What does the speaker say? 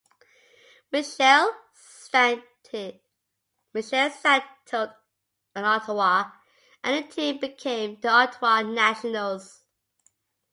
Michel settled on Ottawa and the team became the Ottawa Nationals.